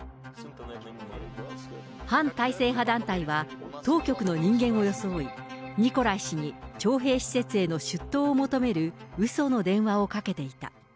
反体制派団体は、当局の人間を装い、ニコライ氏に徴兵施設への出頭を求めるうその電話をかけていた。